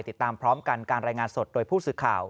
ติดตามพร้อมกันการรายงานสดโดยผู้สื่อข่าว